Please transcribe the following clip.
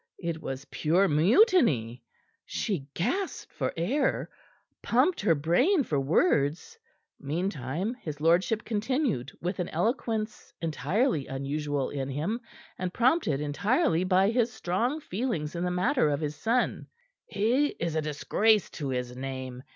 It was pure mutiny. She gasped for air; pumped her brain for words. Meantime, his lordship continued with an eloquence entirely unusual in him and prompted entirely by his strong feelings in the matter of his son. "He is a disgrace to his name!